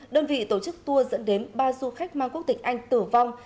đơn vị tổ chức tour dẫn đến ba du khách mang quốc tịch anh tử vong